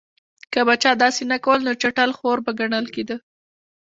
که به چا داسې نه کول نو چټل خور به ګڼل کېده.